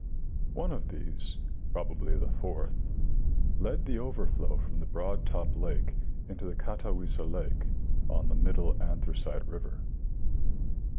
One of these, probably the fourth, led the overflow from the Broad Top lake into the Catawissa lake on the middle Anthra cite river.